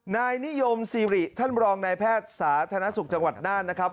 นายนิยมซีริท่านรองนายแพทย์สาธารณสุขจังหวัดน่านนะครับ